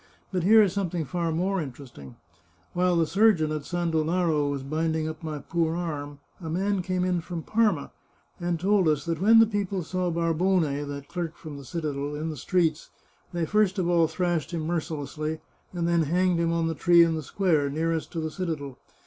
But here is something far more interesting : While the surgeon at Sandolaro was binding up my poor arm, a man came in from Parma, and told us that when the people saw Barbone, that clerk from the citadel, in the streets, they first of all thrashed him mercilessly, and then hanged him on the tree in the square, nearest to the citadel.